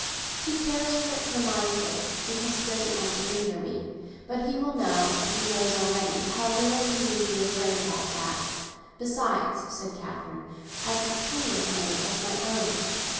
"He cares for it for my sake, because he doesn't want to injure me. But he will know—he knows already—how little he need be afraid about that. Besides," said Catherine, "I have got plenty of money of my own.